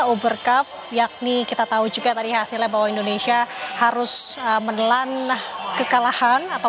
uber cup yakni kita tahu juga tadi hasilnya bahwa indonesia harus menelan kekalahan atau